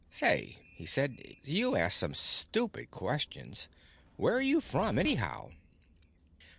"Say," he said, "you ask some stupid questions. Where are you from, anyhow?"